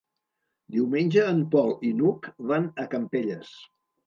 Diumenge en Pol i n'Hug van a Campelles.